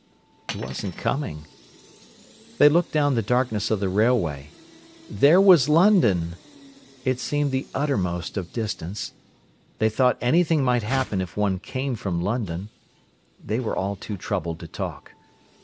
He wasn't coming. They looked down the darkness of the railway. There was London! It seemed the utter most of distance. They thought anything might happen if one came from London. They were all too troubled to talk.